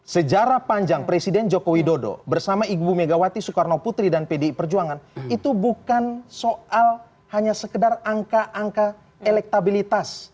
sejarah panjang presiden joko widodo bersama ibu megawati soekarno putri dan pdi perjuangan itu bukan soal hanya sekedar angka angka elektabilitas